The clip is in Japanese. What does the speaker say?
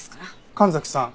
神崎さん。